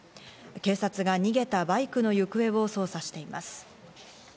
警察が逃げたバイクの行方を捜査しています。